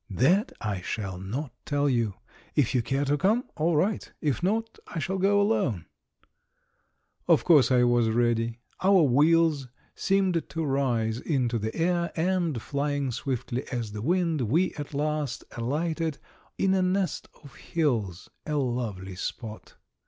"That I shall not tell you; if you care to come, all right; if not, I shall go alone." Of course I was ready. Our wheels seemed to rise into the air, and, flying swiftly as the wind, we at last alighted in a nest of hills, a lovely spot.